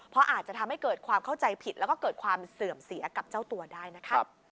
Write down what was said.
เพราะอาจจะทำให้เกิดความเข้าใจผิดแล้วก็เกิดความเสื่อมเสียกับเจ้าตัวได้นะคะ